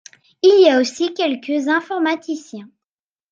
Il y a aussi quelques informaticiens